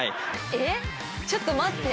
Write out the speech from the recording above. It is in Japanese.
えっちょっと待って。